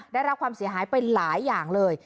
ได้รับความเสียหายไปหลายอย่างเลย